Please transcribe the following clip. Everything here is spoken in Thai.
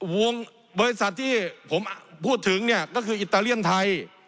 วงบริษัทที่ผมพูดถึงเนี่ยก็คืออิตาเลียนไทย